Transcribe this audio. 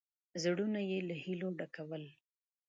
زړونه یې له هیلو ډکول.